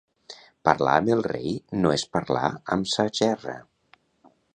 Parlar amb el rei no és parlar amb sa gerra.